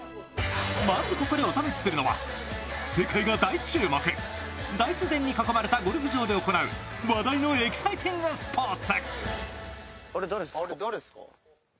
まずここでお試しするのは世界が大注目、大自然に囲まれたゴルフ場で行う話題のエキサイティングスポーツ。